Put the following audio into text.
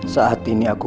satu dua tiga